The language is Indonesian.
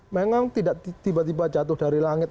memang tidak tiba tiba jatuh dari langit